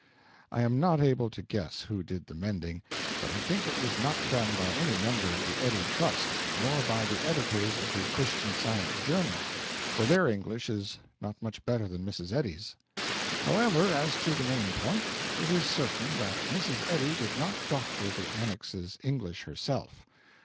I am not able to guess who did the mending, but I think it was not done by any member of the Eddy Trust, nor by the editors of the 'Christian Science Journal,' for their English is not much better than Mrs. Eddy's. However, as to the main point: it is certain that Mrs. Eddy did not doctor the Annex's English herself.